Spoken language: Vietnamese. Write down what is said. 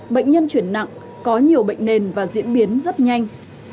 bệnh nhân chuyển nặng có nhiều bệnh nền và diễn biến rất nhanh